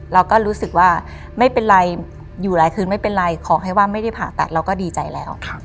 เราก็รู้สึกว่าไม่เป็นไรอยู่หลายคืนไม่เป็นไรขอให้ว่าไม่ได้ผ่าตัดเราก็ดีใจแล้ว